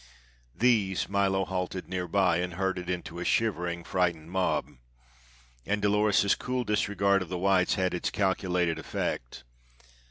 These Milo halted near by and herded into a shivering, frightened mob. And Dolores's cool disregard of the whites had its calculated effect.